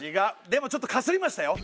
でもちょっとかすりましたよ。